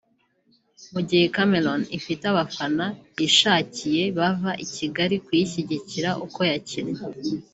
mu gihe Cameroon ifite abafana yishakiye bava i Kigali kuyishyigikira uko yakinnye